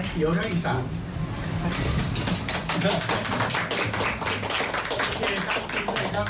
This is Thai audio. ขอบคุณครับ